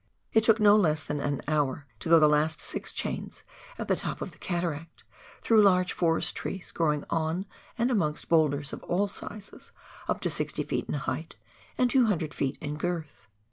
It took no less than an hour to go the last six chains at the top of the cataract, through large forest trees, growing on and amongst boulders of all sizes up to 60 ft. in height, and 200 ft. in girth.